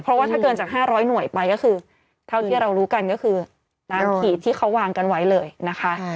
เพราะว่าถ้าเกินจาก๕๐๐หน่วยไปก็คือเท่าที่เรารู้กันก็คือตามขีดที่เขาวางกันไว้เลยนะคะ